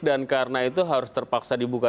dan karena itu harus terpaksa dibuka